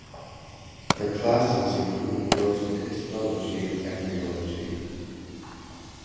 Her classes included those on histology and embryology.